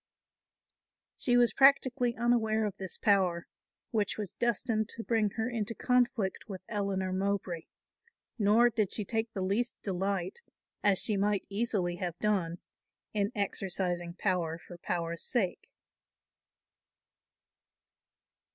She was practically unaware of this power, which was destined to bring her into conflict with Eleanor Mowbray; nor did she take the least delight, as she might easily have done, in exercising power for power's sake.